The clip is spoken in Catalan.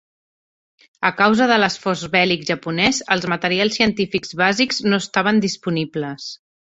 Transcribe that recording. A causa de l'esforç bèl·lic japonès, els materials científics bàsics no estaven disponibles.